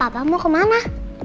papa mau kemana